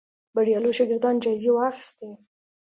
بریالیو شاګردانو جایزې واخیستې